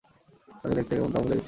তাকে দেখতে কেমন তাও ভুলে গেছি!